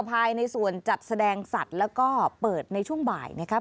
ภายในส่วนจัดแสดงสัตว์แล้วก็เปิดในช่วงบ่ายนะครับ